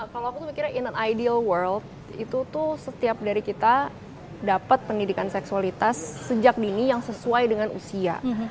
kalau aku mikirnya in at ideal world itu tuh setiap dari kita dapat pendidikan seksualitas sejak dini yang sesuai dengan usia